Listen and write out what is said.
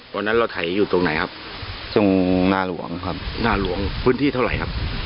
ตอนนั้นเราไถอยู่ตรงไหนครับตรงนาหลวงครับนาหลวงพื้นที่เท่าไหร่ครับ